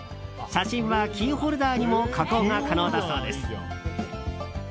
写真はキーホルダーにも加工が可能だそうです。